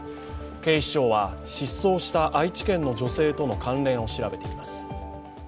警視庁は、失踪した愛知県の女性との関連を調べています。